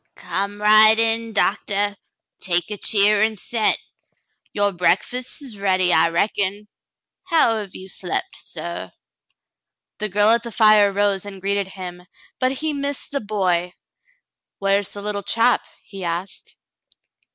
"Come right in, Doctah; take a cheer and set. Your breakfast's ready, I reckon. How have you slept, suh V The girl at the fire rose and greeted him, but he missed the boy. "Where's the httle chap .^" he asked.